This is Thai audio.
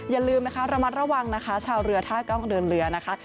อย่าลืมนะคะระมัดระวังนะคะชาวเรือท่ากล้องเดินเรือนะคะ